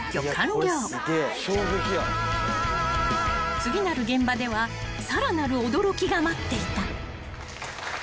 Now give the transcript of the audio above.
［次なる現場ではさらなる驚きが待っていた］